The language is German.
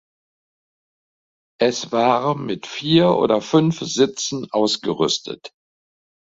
Es war mit vier oder fünf Sitzen ausgerüstet.